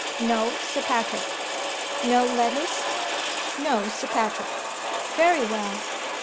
"No, Sir Patrick." "No letters?" "No, Sir Patrick." "Very well.